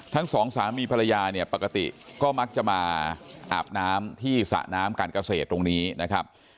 ทั้งสองสามีภรรยาเนี่ยปกติก็มักจะมาอาบน้ำที่สระน้ำการเกษตรตรงนี้นะครับ